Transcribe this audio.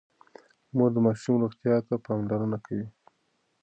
مور د ماشوم روغتيا ته پاملرنه کوي.